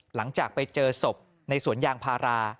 หลังจากไปเจอศพในสวนยางพารา